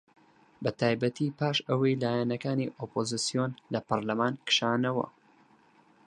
بەتایبەتی پاش ئەوەی لایەنەکانی ئۆپۆزسیۆن لە پەرلەمان کشانەوە